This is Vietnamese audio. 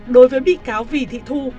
đối với bị cáo vì thị thu